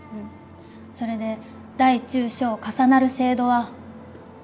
それで大中小重なるシェードは。